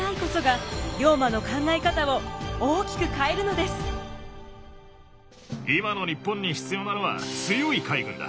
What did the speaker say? この出会いこそが今の日本に必要なのは強い海軍だ。